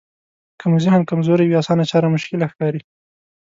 که مو ذهن کمزوری وي اسانه چارې مشکله ښکاري.